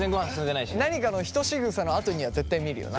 何かのひとしぐさのあとには絶対見るよな。